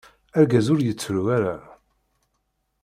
Argaz ur yettru ara.